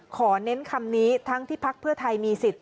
เน้นคำนี้ทั้งที่พักเพื่อไทยมีสิทธิ์